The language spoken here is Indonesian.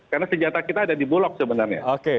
karena senjata kita ada di bulog sebenarnya